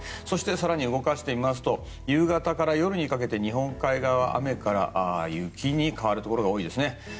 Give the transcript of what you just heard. そして更に動かしてみますと夕方から夜にかけて日本海側は雨から雪に変わるところが多いですね。